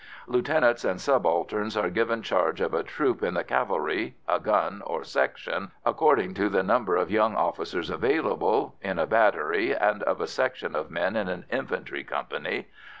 Lieutenants and subalterns are given charge of a troop in the cavalry, a gun or section according to the number of young officers available in a battery and of a section of men in an infantry company.